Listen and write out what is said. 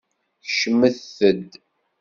Kecmet-d!